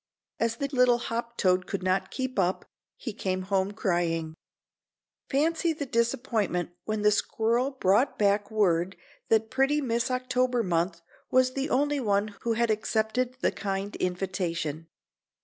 As the little hop toad could not keep up, he came home crying. Fancy the disappointment when the squirrel brought back word that pretty Miss October Month was the only one who had accepted the kind invitation.